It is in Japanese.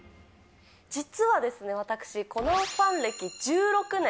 実はですね、私、コナンファン歴１６年。